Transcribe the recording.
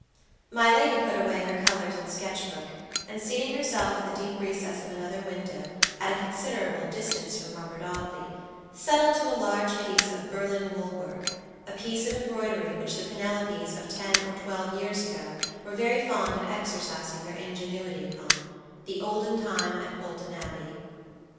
My lady put away her colors and sketch book, and seating herself in the deep recess of another window, at a considerable distance from Robert Audley, settled to a large piece of Berlin wool worka piece of embroidery which the Penelopes of ten or twelve years ago were very fond of exercising their ingenuity uponthe Olden Time at Bolton Abbey.